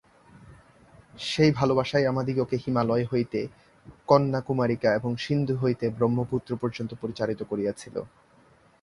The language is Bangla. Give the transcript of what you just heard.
সেই ভালবাসাই আমাদিগকে হিমালয় হইতে কন্যাকুমারিকা এবং সিন্ধু হইতে ব্রহ্মপুত্র পর্যন্ত পরিচালিত করিয়াছিল।